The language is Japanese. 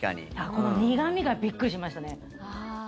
この苦味がびっくりしましたね。